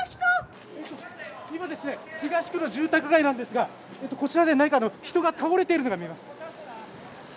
今、東区の住宅街なんですが、こちらで人が倒れているのが見えます。